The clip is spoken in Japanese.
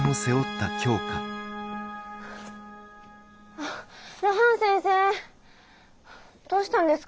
あ露伴先生どうしたんですか？